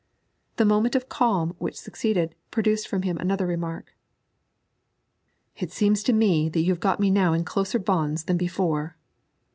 The moment of calm which succeeded produced from him another remark. 'It seems to me that you have got me now in closer bonds than before.'